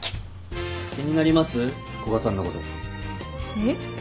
えっ？